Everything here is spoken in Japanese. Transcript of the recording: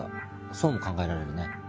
そうも考えられるね。